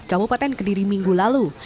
kabupaten kediri minggu lalu